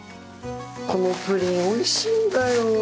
このプリンおいしいんだよ。